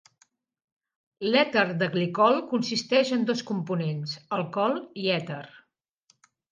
L'èter de glicol consisteix en dos components: alcohol i èter.